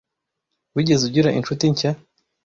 Wigeze ugira inshuti nshya?